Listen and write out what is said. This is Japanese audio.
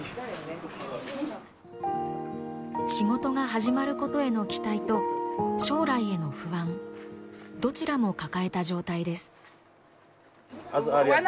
仕事が始まることへの期待と将来への不安どちらも抱えた状態です。